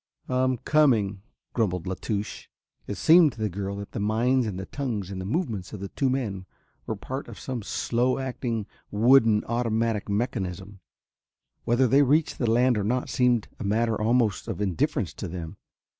"I'm coming," grumbled La Touche. It seemed to the girl that the minds and the tongues and the movements of the two men were part of some slow acting, wooden, automatic mechanism. Whether they reached the land or not seemed a matter almost of indifference to them.